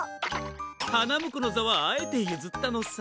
はなむこのざはあえてゆずったのさ。